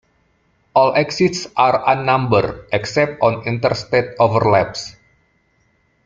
All exits are unnumbered, except on Interstate overlaps.